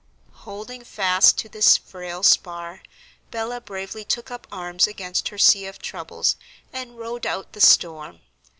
Holding fast to this frail spar, Bella bravely took up arms against her sea of troubles, and rode out the storm.